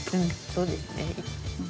そうですね。